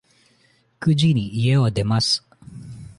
九時に家を出ます。